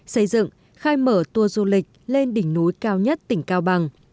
xây dựng khai mở tour du lịch lên đỉnh núi cao nhất tỉnh cao bằng